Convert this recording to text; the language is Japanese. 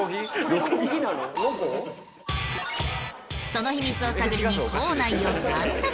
その秘密を探りに校内を探索。